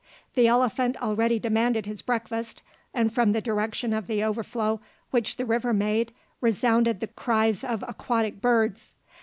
The elephant already demanded his breakfast and from the direction of the overflow which the river made resounded the cries of aquatic birds.